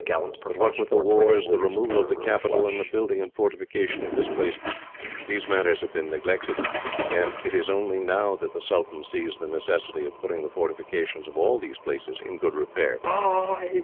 But what with the wars, the removal of the capital, and the building and fortification of this place, these matters have been neglected; and it is only now that the sultan sees the necessity of putting the fortifications of all these places in good repair.